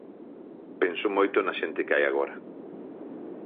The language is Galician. Penso moito na xente que hai agora.